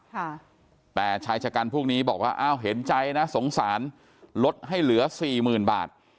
ค่ะแต่ชายชะกันพวกนี้บอกว่าอ้าวเห็นใจนะสงสารลดให้เหลือสี่หมื่นบาท